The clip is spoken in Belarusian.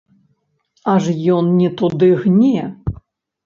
Аж ён не туды гне.